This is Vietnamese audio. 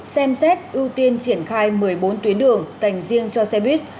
xem xét ưu tiên triển khai một mươi bốn tuyến đường dành riêng cho xe buýt